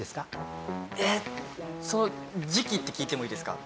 えっ時期って聞いてもいいですか？